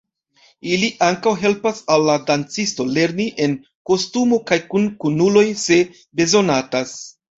Ili ankaŭ helpas al la dancisto lerni en kostumo kaj kun kunuloj, se bezonatas.